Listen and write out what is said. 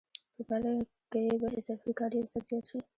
په پایله کې به اضافي کار یو ساعت زیات شي